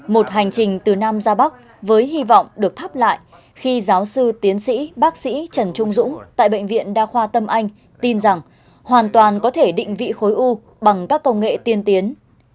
một hành trình từ nam ra bắc với hy vọng được thắp lại khi giáo sư tiến sĩ bác sĩ trần trung dũng tại bệnh viện đa khoa tâm anh tin rằng hoàn toàn có thể định vị khối u bằng các công nghệ tiên tiến